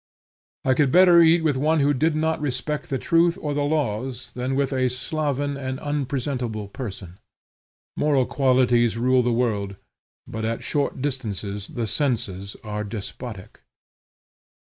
I could better eat with one who did not respect the truth or the laws than with a sloven and unpresentable person. Moral qualities rule the world, but at short distances the senses are despotic.